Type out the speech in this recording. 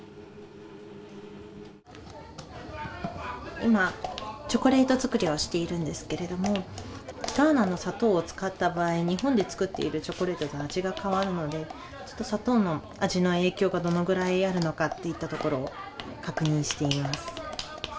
今チョコレート作りをしているんですけれどもガーナの砂糖を使った場合日本で作っているチョコレートと味が変わるのでちょっと砂糖の味の影響がどのぐらいあるのかっていったところを確認しています。